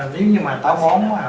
nếu như mà táo bón